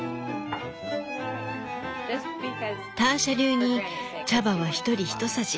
ターシャ流に茶葉は一人ひとさじ。